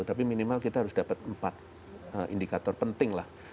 tapi minimal kita harus dapat empat indikator penting lah